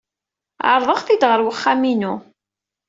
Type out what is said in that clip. Ɛerḍeɣ-t-id ɣer wexxam-inu.